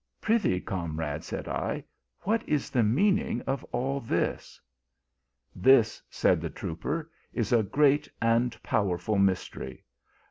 Pry thee, comrade, said I, what is the mean ing of all this? " This, said the trooper, is a great and pow erful mystery.